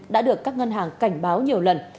đã được các ngân hàng cảnh báo nhiều lần